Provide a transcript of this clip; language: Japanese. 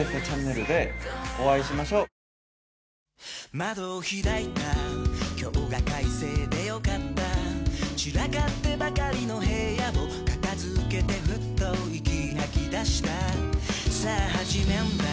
窓を開いた今日が快晴で良かった散らかってばかりの部屋を片付けてふっと息吐き出したさあ始めんだ